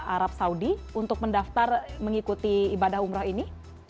arab saudi untuk mendaftar mengikuti ibadah umrah ini